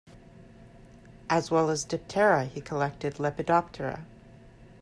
As well as Diptera he collected Lepidoptera.